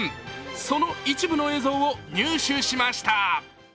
その一部の映像を入手しました。